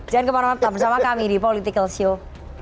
jangan kemana mana tetap bersama kami di political show